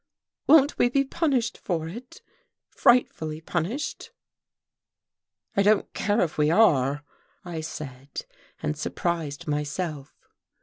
Won't we be punished for it, frightfully punished?" "I don't care if we are," I said, and surprised myself.